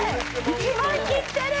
１万切ってる！